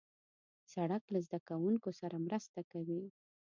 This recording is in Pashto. سړک له زدهکوونکو سره مرسته کوي.